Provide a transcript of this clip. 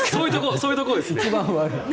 そういうところです。